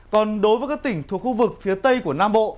còn đối với các tỉnh thuộc khu vực phía tây của nam bộ